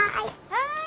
「はい」